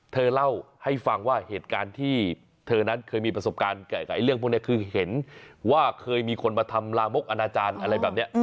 เธอเล่าให้ฟังว่าเหตุการณ์ที่เธอนั้นเคยมีประสบการณ์กับเรื่องพวกนี้